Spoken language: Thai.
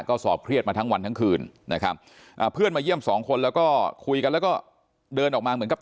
ก็สอบเครียดมาทั้งวันต่างคืนนะครับพื้นมาเยี่ยม๒คนและก็คุยกันแล้วก็เดินออกมาเหมือนทุรศัพท์